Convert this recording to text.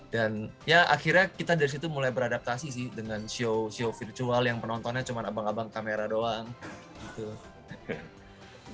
dan ya akhirnya kita dari situ mulai beradaptasi sih dengan show show virtual yang penontonnya cuma abang abang kamera doang gitu